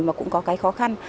một cái khó khăn